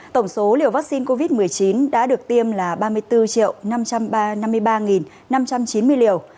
tổng số liều vaccine covid một mươi chín đã được tiêm là ba mươi bốn năm trăm năm mươi ba năm trăm chín mươi liều